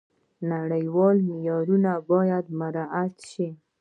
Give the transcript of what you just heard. نړیوال معیارونه باید مراعات شي.